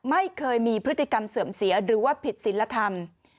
ไม่เคยมีพฤติกรรมเสื่อมเสียหรือว่าผิดศิลธรรม